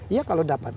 ya kalau dapat